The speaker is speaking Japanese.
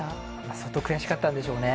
相当悔しかったんでしょうね。